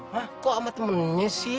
hah kok sama temennya sih